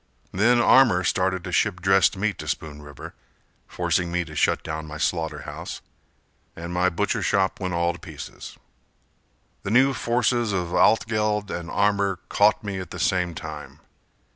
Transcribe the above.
Then Armour started to ship dressed meat to Spoon River, Forcing me to shut down my slaughter house And my butcher shop went all to pieces. The new forces of Altgeld and Armour caught me At the same time.